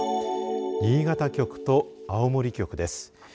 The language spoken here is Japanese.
新潟局と青森局です。